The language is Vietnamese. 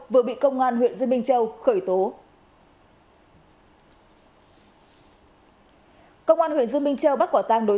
vừa bị công an huyện dương minh châu khởi tố công an huyện dương minh châu bắt quả tang đối